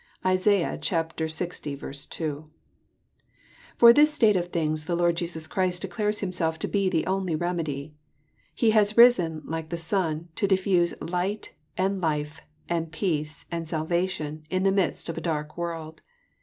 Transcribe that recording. (Isai. Ix. 2.) For this state of things, the Lord Jesus Christ declares Himself to be the only remedy. He has risen, like the sun, to diffuse light, and life, and peace, and salvation, in the midst of a dark world.